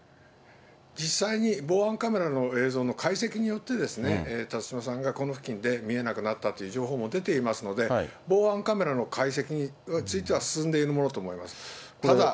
実際に防犯カメラの映像の解析によって、辰島さんがこの付近で見えなくなったという情報も出ていますので、防犯カメラの解析については、進んでいるものと見られます。